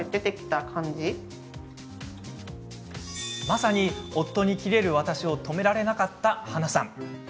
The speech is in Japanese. まさに夫にキレる私をとめられなかった、はなさん。